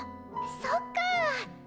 そっかっ！